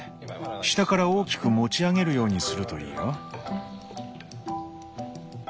下から大きく持ち上げるようにするといいよ。